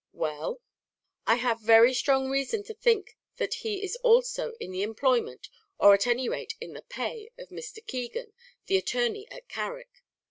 "Well?" "I have very strong reason to think that he is also in the employment, or at any rate in the pay, of Mr. Keegan, the attorney at Carrick."